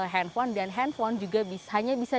handphone dan handphone juga hanya bisa